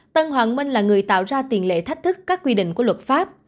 tân hoàng minh là người tạo ra tiền lệ thách thức các quy định của luật pháp